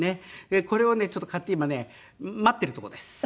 これをねちょっと買って今ね待ってるとこです。